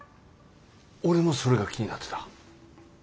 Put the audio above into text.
俺もそれが気になってた。